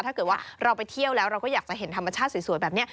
ถ้าเกิดว่าเราไปเที่ยวแล้วเราก็อยากจะเห็นธรรมชาติสวยแบบนี้